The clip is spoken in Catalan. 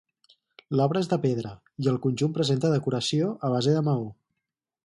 L'obra és de pedra, i el conjunt presenta decoració a base de maó.